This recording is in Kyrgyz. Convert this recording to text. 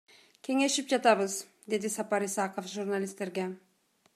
Кеңешип жатабыз, — деди Сапар Исаков журналисттерге.